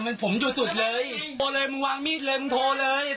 บอกผมเรื่องสิคคล